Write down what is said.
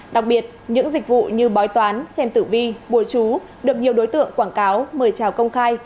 đặc biệt những dịch vụ như bói toán xem tử vi bùa chú được nhiều đối tượng quảng cáo mời chào công khai